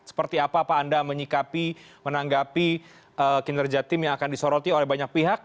seperti apa pak anda menyikapi menanggapi kinerja tim yang akan disoroti oleh banyak pihak